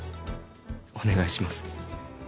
お願いします。